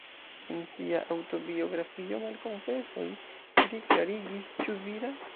En sia aŭtobiografio, "Malkonfesoj", ri klarigis, “Ĉu vira?